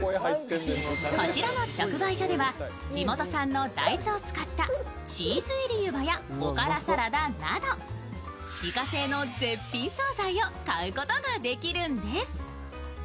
こちらの直売所では地元産の大豆を使ったチーズ入り湯葉やおからサラダなど、自家製の絶品総菜を買うことができるんです。